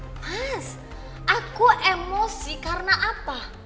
has aku emosi karena apa